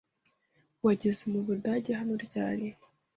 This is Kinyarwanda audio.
Wageze mu budage hano ryari?